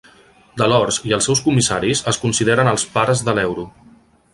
Delors i els seus comissaris es consideren els "pares" de l'euro.